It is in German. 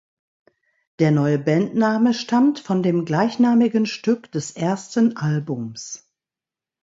Der neue Bandname stammt von dem gleichnamigen Stück des ersten Albums.